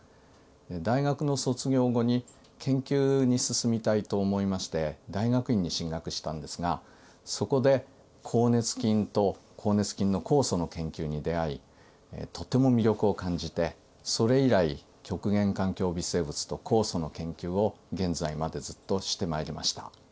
大学の卒業後に研究に進みたいと思いまして大学院に進学したんですがそこで好熱菌と好熱菌の酵素の研究に出会いとても魅力を感じてそれ以来極限環境微生物と酵素の研究を現在までずっとしてまいりました。